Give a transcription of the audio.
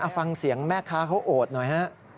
ฟังเสียงแม่ค้าเขาโอดหน่อยฮะ